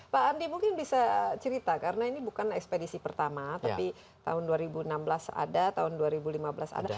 pak andi mungkin bisa cerita karena ini bukan ekspedisi pertama tapi tahun dua ribu enam belas ada tahun dua ribu lima belas ada